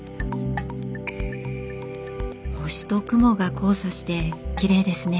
星と雲が交差してきれいですね。